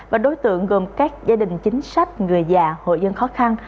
và đối tượng gồm các gia đình chính sách người già hộ dân khó khăn